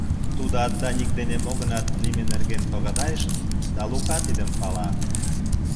Тудат Даник дене мо-гынат лийме нерген тогдайыш, да Лука тидым пала.